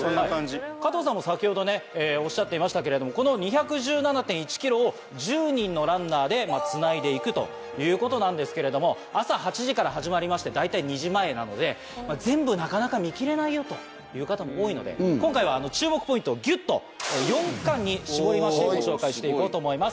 加藤さんも先ほどおっしゃっていましたけどこの２１７．１ｋｍを１０人のランナーでつないで行くということなんですけど朝８時から始まりまして大体２時前なので全部なかなか見きれないよという方も多いので今回は注目ポイントをギュっと４区間に絞りましてご紹介して行こうと思います。